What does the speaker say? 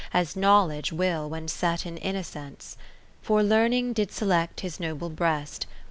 As Knowledge will when set in Innocence. For Learning did select his noble breast.